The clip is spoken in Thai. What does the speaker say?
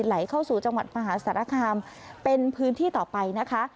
ไหลเข้าสู่จังหวัดมหาสารคามเป็นพื้นที่ต่อไปนะคะ